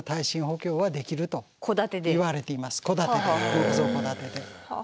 木造戸建てで。